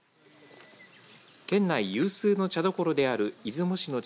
県内有数の茶どころである出雲市の茶